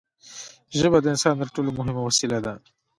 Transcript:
ژبه د انسان تر ټولو مهمه وسیله ده.